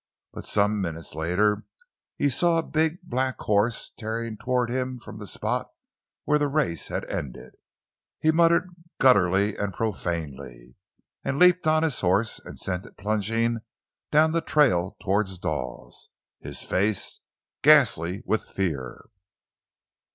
But some minutes later he saw a big, black horse tearing toward him from the spot where the race had ended. He muttered gutturally and profanely, leaped on his horse and sent it plunging down the trail toward Dawes, his face ghastly with fear.